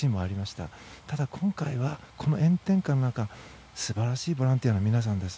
ただ、今回は炎天下の中素晴らしいボランティアの皆さんです。